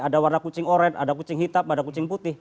ada warna kucing oranye ada warna kucing hitam ada warna kucing putih